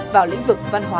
vào lĩnh vực văn hóa